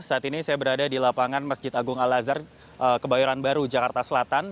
saat ini saya berada di lapangan masjid agung al azhar kebayoran baru jakarta selatan